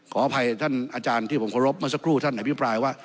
ขออภัยท่านอาจารย์ที่ผมเคารพเมื่อสักครู่ท่านอภิปรายว่า